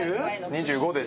２５です。